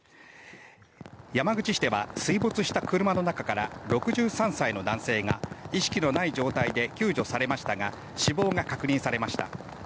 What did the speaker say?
山口市では水没した車の中から６３歳の男性が意識のない状態で救助されましたが死亡が確認されました。